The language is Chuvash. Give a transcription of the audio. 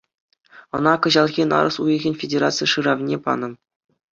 Ӑна кӑҫалхи нарӑс уйӑхӗн федераци шыравне панӑ.